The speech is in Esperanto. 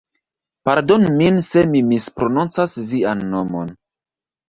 Pardonu min se mi misprononcas vian nomon.